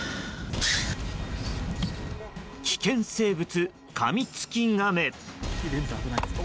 危険生物、カミツキガメ。